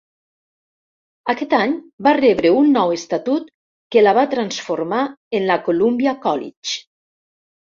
Aquest any va rebre un nou estatut que la va transformar en la Columbia College.